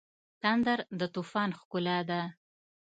تندر د طوفان ښکلا ده.